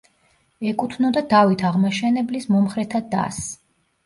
ეკუთვნოდა დავით აღმაშენებლის მომხრეთა დასს.